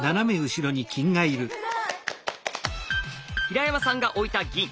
平山さんが置いた銀。